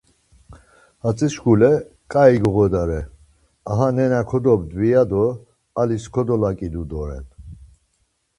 Hatzi şkule ǩai goğodare, aha nena kodogidvi ya do alis kodolaǩidu doren.